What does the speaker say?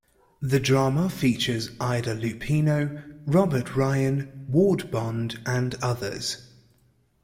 The drama features Ida Lupino, Robert Ryan, Ward Bond, and others.